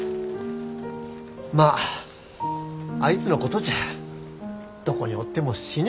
まああいつのことじゃどこにおっても死にゃあせんわ。